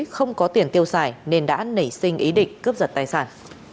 không có tiền tiêu xài nên đã nảy sinh ý định cướp giật tài sản